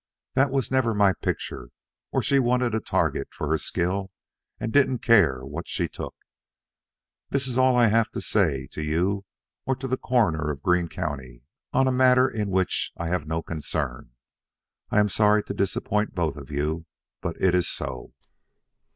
"That was never my picture, or she wanted a target for her skill and didn't care what she took. That is all I have to say to you or to the Coroner of Greene County, on a matter in which I have no concern. I am sorry to disappoint both of you, but it is so."